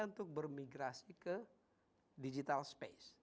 untuk bermigrasi ke digital space